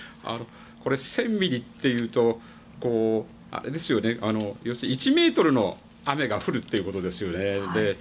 これ、１０００ミリというと要するに１ｍの雨が降るということですよね。